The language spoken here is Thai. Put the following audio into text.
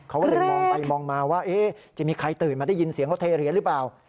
เขาก็เลยมองไปมองมาว่าจะมีใครตื่นมาได้ยินเสียงเขาเทเหรียญหรือเปล่า